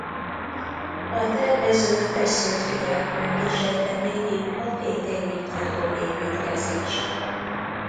A tervező feszült figyelemmel kísérte végig a két évig tartó építkezést.